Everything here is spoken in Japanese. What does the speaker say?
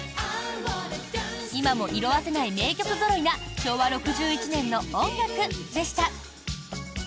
今も色あせない名曲ぞろいな昭和６１年の音楽でした。